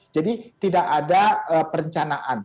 jadi tidak ada perencanaan